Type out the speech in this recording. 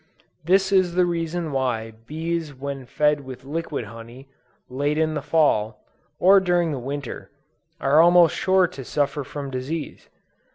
This is the reason why bees when fed with liquid honey, late in the Fall, or during the Winter, are almost sure to suffer from disease.